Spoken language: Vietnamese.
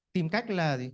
tìm cách là gì